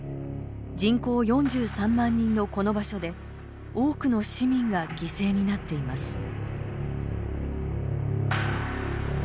人口４３万人のこの場所で多くの市民が犠牲になっています。